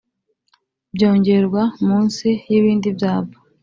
byongerwa munsi y’ibindi byapa